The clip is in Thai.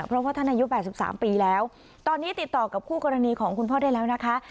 เพราะว่าท่านอายุ๘๓ปีแล้วตอนนี้ติดต่อกับคู่กรณีของคุณพ่อได้แล้วนะคะ